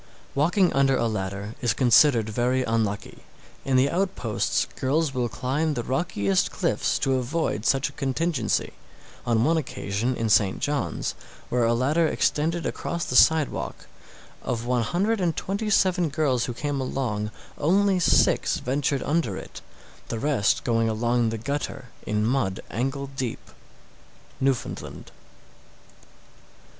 666. Walking under a ladder is considered very unlucky. In the outposts girls will climb the rockiest cliffs to avoid such a contingency. On one occasion in St. John's, where a ladder extended across the sidewalk, of one hundred and twenty seven girls who came along, only six ventured under it, the rest going along the gutter in mud ankle deep. _Newfoundland.